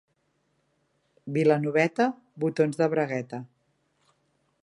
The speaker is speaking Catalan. Vilanoveta, botons de bragueta.